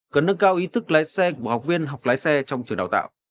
cần nâng cao ý thức lái xe của học viên học lái xe trong trường đào tạo